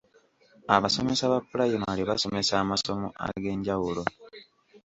Abasomesa ba pulayimale basomesa amasomo ag'enjawulo.